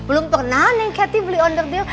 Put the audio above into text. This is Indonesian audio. belum pernah neng kerti beli owner deal